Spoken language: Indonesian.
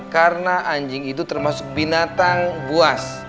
karena anjing itu termasuk binatang buas